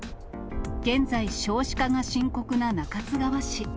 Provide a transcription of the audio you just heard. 現在、少子化が深刻な中津川市。